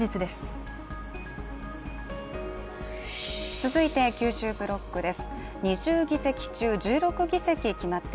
続いて九州ブロックです。